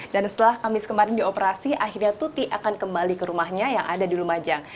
dan setelah kamis kemarin dioperasi akhirnya tuti akan kembali ke rumahnya yang ada di rumah jang